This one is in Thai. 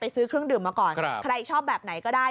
ซื้อเครื่องดื่มมาก่อนใครชอบแบบไหนก็ได้